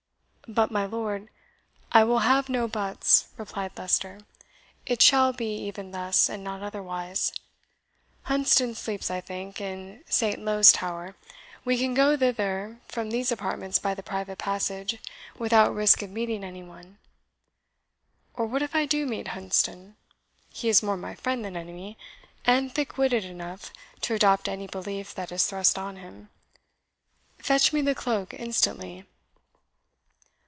"But, my lord " "I will have no BUTS," replied Leicester; "it shall be even thus, and not otherwise. Hunsdon sleeps, I think, in Saintlowe's Tower. We can go thither from these apartments by the private passage, without risk of meeting any one. Or what if I do meet Hunsdon? he is more my friend than enemy, and thick witted enough to adopt any belief that is thrust on him. Fetch me the cloak instantly."